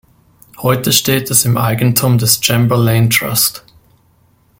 Heute steht es im Eigentum des Chamberlain Trust.